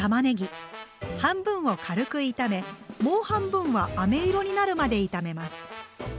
半分を軽く炒めもう半分はあめ色になるまで炒めます。